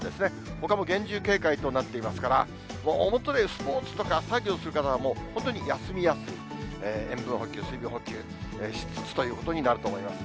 ほかも厳重警戒となっていますから、表でスポーツとか作業する方はもう、本当に休み休み、塩分補給、水分補給しつつということになると思います。